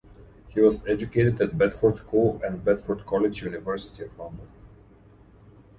He was educated at Bedford School and Bedford College, University of London.